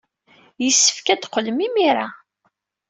Yessefk ad teqqlem imir-a.